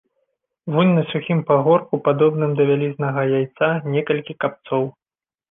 Вунь на сухім пагорку, падобным да вялізнага яйца, некалькі капцоў.